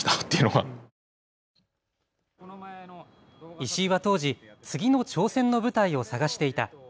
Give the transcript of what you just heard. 石井は当時、次の挑戦の舞台を探していた。